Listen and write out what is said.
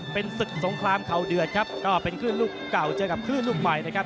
เป็นศึกสงครามเข่าเดือดครับก็เป็นคลื่นลูกเก่าเจอกับคลื่นลูกใหม่นะครับ